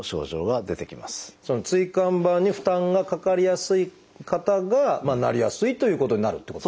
その椎間板に負担がかかりやすい方がなりやすいということになるってことですね。